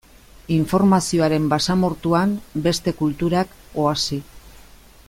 Informazioaren basamortuan, beste kulturak oasi.